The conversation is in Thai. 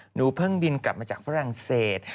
หนูเพิ่งบินกลับมาจากฝรั่งเศส